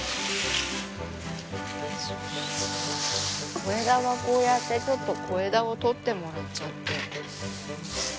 小枝はこうやってちょっと小枝を取ってもらっちゃって。